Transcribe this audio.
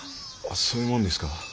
そういうもんですか。